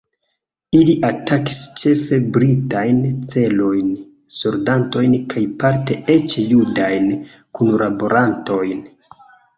Ili atakis ĉefe britajn celojn, soldatojn kaj parte eĉ judajn kunlaborantojn.